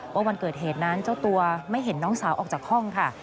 วันเกิดเหตุนั้นเจ้าตัวไม่เห็นน้องสาวออกจากห้องค่ะ